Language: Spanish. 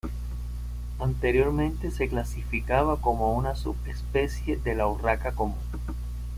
Anteriormente se clasificaba como una subespecie de la urraca común.